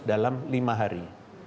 dalam lima hari